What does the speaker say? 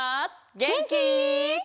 げんき？